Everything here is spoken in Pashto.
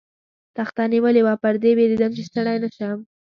تخته نیولې وه، پر دې وېرېدم، چې ستړی نه شم.